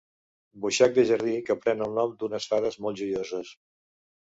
Boixac de jardí que pren el nom d'unes fades molt joioses.